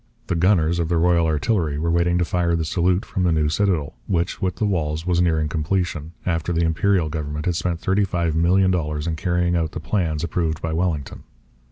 The gunners of the Royal Artillery were waiting to fire the salute from the new citadel, which, with the walls, was nearing completion, after the Imperial government had spent thirty five million dollars in carrying out the plans approved by Wellington.